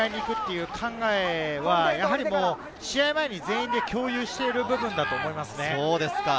トライを狙いにいくという考えは試合前に全員で共有している部分だと思います。